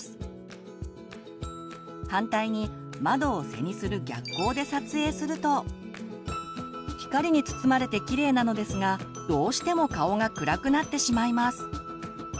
反対に窓を背にする逆光で撮影すると光に包まれてきれいなのですがどうしても顔が暗くなってしまいます。